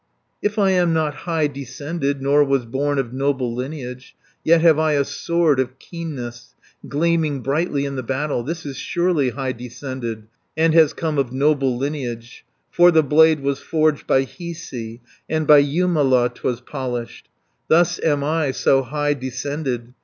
"If I am not high descended, Nor was born of noble lineage, Yet have I a sword of keenness, Gleaming brightly in the battle. 280 This is surely high descended, And has come of noble lineage, For the blade was forged by Hiisi And by Jumala 'twas polished, Thus am I so high descended.